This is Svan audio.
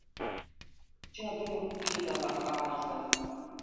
ჯაბირ ოხკი̄და ლაკა̄რზად.